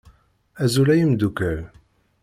Azul ay imeddukkal